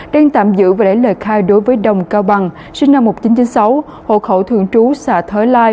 đang tạm giữ và lấy lời khai đối với đồng cao bằng sinh năm một nghìn chín trăm chín mươi sáu hộ khẩu thường trú xã thới lai